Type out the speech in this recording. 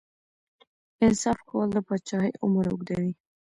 انصاف کول د پاچاهۍ عمر اوږدوي.